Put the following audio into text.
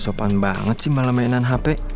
sopan banget sih malah mainan hp